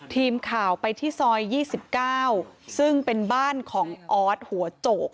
ทีมข่าวไปที่ซอยยี่สิบเก้าซึ่งเป็นบ้านของอ๊อสหัวโจกค่ะ